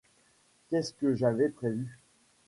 Qu’est-ce que j’avais prévu ?